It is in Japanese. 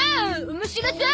面白そう。